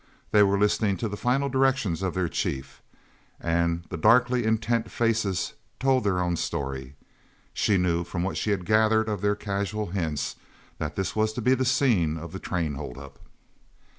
They were listening to the final directions of their chief, and the darkly intent faces told their own story. She knew, from what she had gathered of their casual hints, that this was to be the scene of the train hold up.